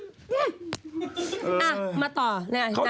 อ้ามาต่อนั่งกลาง